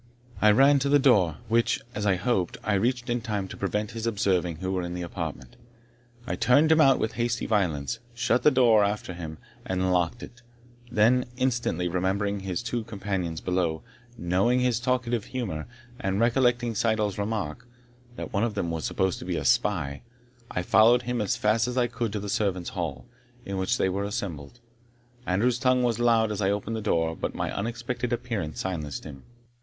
I ran to the door, which, as I hoped, I reached in time to prevent his observing who were in the apartment, I turned him out with hasty violence, shut the door after him, and locked it then instantly remembering his two companions below, knowing his talkative humour, and recollecting Syddall's remark, that one of them was supposed to be a spy, I followed him as fast as I could to the servants' hall, in which they were assembled. Andrew's tongue was loud as I opened the door, but my unexpected appearance silenced him.